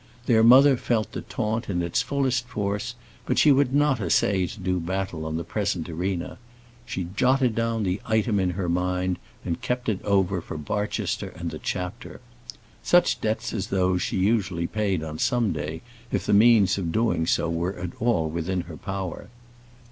Their mother felt the taunt in its fullest force, but she would not essay to do battle on the present arena. She jotted down the item in her mind, and kept it over for Barchester and the chapter. Such debts as those she usually paid on some day, if the means of doing so were at all within her power.